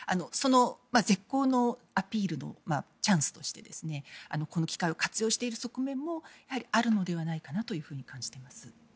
その絶好のアピールのチャンスとしてこの機会を活用している側面もやはりあるのではないかと感じています。